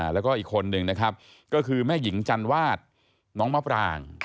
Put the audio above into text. แล้วก็อีกคนหนึ่งก็คือแม่หญิงจันวาดหน้องมาปราง